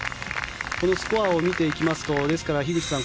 このスコアを見ていきますと樋口さん